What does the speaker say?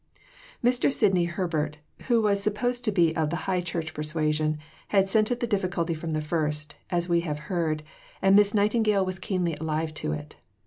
Mr. Sidney Herbert, who was supposed to be of the High Church persuasion, had scented the difficulty from the first, as we have heard, and Miss Nightingale was keenly alive to it.